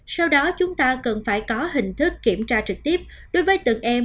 sau đó chúng ta cần phải có hình thức kiểm tra trực tiếp đối với từng em